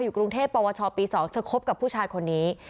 กรุงเทพปวชปี๒เธอคบกับผู้ชายคนนี้